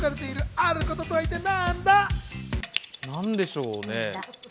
なんでしょうね。